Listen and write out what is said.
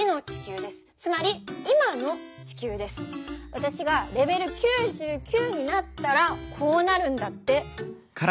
わたしがレベル９９になったらこうなるんだって。